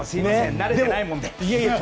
慣れてないもんで。